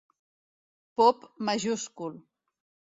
Pop majúscul.